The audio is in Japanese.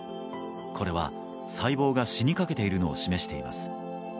これは細胞が死にかけているのを示しています。